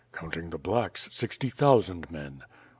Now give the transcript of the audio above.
"Counting the ^blacks/ sixty thousand men."